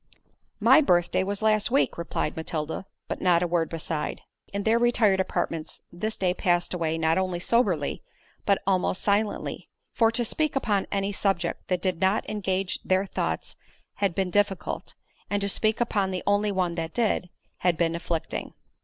"My birth day was last week," replied Matilda; but not a word beside. In their retired apartments, this day passed away not only soberly, but almost silently; for to speak upon any subject that did not engage their thoughts had been difficult, and to speak upon the only one that did, had been afflicting.